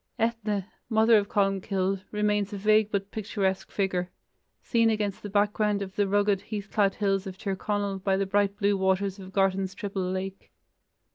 Ethne, mother of Columcille, remains a vague but picturesque figure, seen against the background of the rugged heath clad hills of Tir Conal by the bright blue waters of Gartan's triple lake.